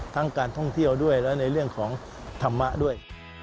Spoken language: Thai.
การท่องเที่ยวด้วยและในเรื่องของธรรมะด้วย